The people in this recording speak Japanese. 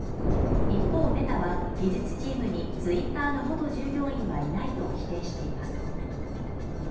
一方メタは技術チームにＴｗｉｔｔｅｒの元従業員はいないと否定しています。